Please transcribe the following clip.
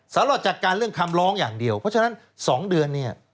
สำหรับจัดการเรื่องคำร้องอย่างเดียวเพราะฉะนั้น๒เดือนเนี่ย